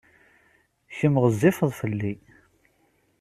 Kemm ɣezzifeḍ fell-i.